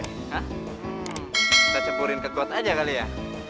kita cepurin ke god aja kali ya